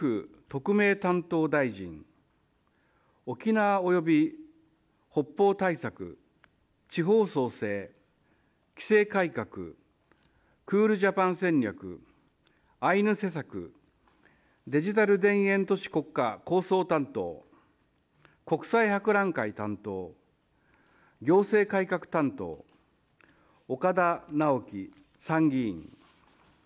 特命担当大臣、沖縄及び北方対策、地方創生、規制改革、クールジャパン戦略、アイヌ施策、デジタル田園都市国家構想担当、国際博覧会担当、行政改革担当、岡田直樹参議院。